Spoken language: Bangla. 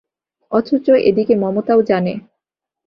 অথচ এদিকে মমতাও জানে।